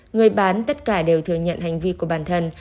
người bán tất cả đều thừa nhận hành vi của bản thân